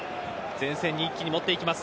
前線に一気にもっていきます